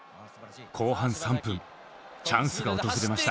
後半３分チャンスが訪れました。